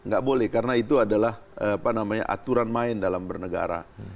gak boleh karena itu adalah apa namanya aturan main dalam bernegara